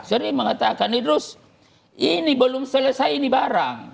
sering mengatakan idrus ini belum selesai ini barang